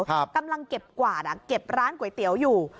กำลังเก็บกวาดอ่ะเก็บร้านก๋วยเตี๋ยวอยู่